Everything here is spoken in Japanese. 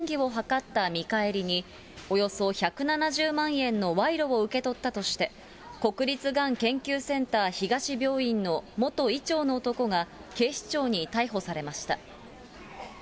手術で特定の医療機器を優先的に使用するよう便宜を図った見返りに、およそ１７０万円の賄賂を受け取ったとして、国立がん研究センター東病院の元医長の男が警視庁に逮捕されました。